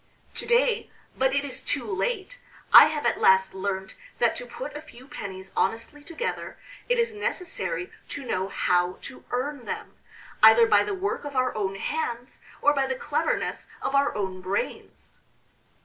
To day but it is too late I have at last learnt that to put a few pennies honestly together it is necessary to know how to earn them, either by the work of our own hands or by the cleverness of our own brains."